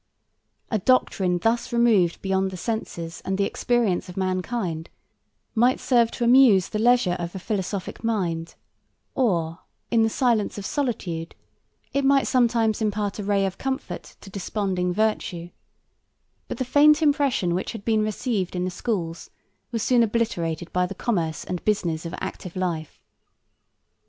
52 A doctrine thus removed beyond the senses and the experience of mankind might serve to amuse the leisure of a philosophic mind; or, in the silence of solitude, it might sometimes impart a ray of comfort to desponding virtue; but the faint impression which had been received in the schools was soon obliterated by the commerce and business of active life.